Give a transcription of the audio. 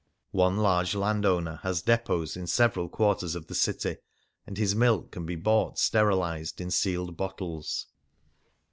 One large landowner has depots in several quarters of the city, and his milk can be bought sterilized, in sealed bottles.